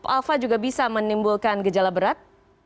alfa juga bisa menimbulkan gejala berat